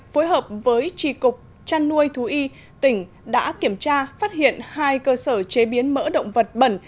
phối hợp với trì cục trăn nuôi thú y tỉnh đã kiểm tra phát hiện hai cơ sở chế biến mỡ động vật bẩn